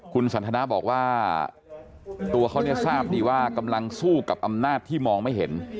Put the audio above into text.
คุณสันทนาบอกว่าตัวเขาเนี่ยทราบดีว่ากำลังสู้กับอำนาจที่มองไม่เห็น